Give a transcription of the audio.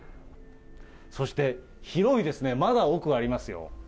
そして、広いですね、まだ奥ありますよ。